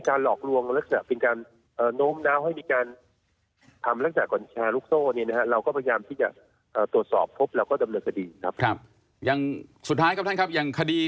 คาดว่าจะใช้เวลาอีกนานไหมครับกว่าจะสรุปอะไรกันได้